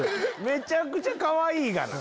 めちゃくちゃかわいいがな。